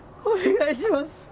お願いします